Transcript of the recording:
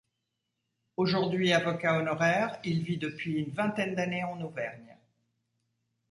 Aujourd'hui avocat honoraire, il vit depuis une vingtaine d'années en Auvergne.